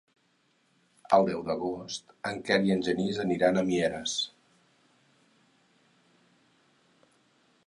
El deu d'agost en Quer i en Genís aniran a Mieres.